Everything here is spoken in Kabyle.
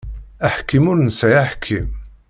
Aḥkim ur nesεi aḥkim.